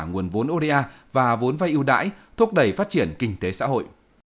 nguồn vốn oda và vốn vay ưu đãi thúc đẩy phát triển kinh tế xã hội